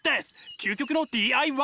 究極のＤＩＹ！